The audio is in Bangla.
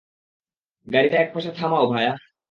গাড়িটা একপাশে থামাও, ভায়া।